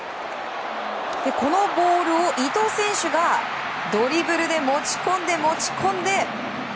このボールを伊東選手がドリブルで持ち込んで持ち込んで。